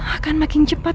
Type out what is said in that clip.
akan makin cepat